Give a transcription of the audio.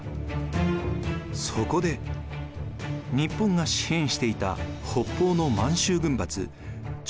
そこで日本が支援していた北方の満州軍閥張